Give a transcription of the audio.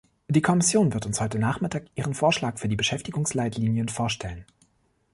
Die Kommission wird uns heute Nachmittag ihren Vorschlag für die Beschäftigungsleitlinien vorstellen.